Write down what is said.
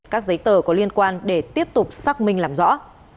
các giấy tờ có liên quan để tiếp tục xác minh làm rõ